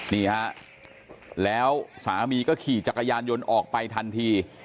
นี่ฮะแล้วสามีก็ขี่จักรยานยนต์ออกไปทันที